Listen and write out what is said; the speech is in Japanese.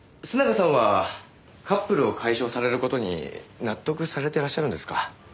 須永さんはカップルを解消される事に納得されてらっしゃるんですか？